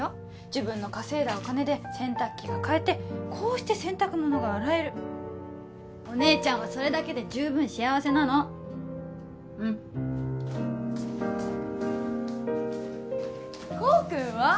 自分の稼いだお金で洗濯機が買えてこうして洗濯物が洗えるお姉ちゃんはそれだけで十分幸せなのうん功君は？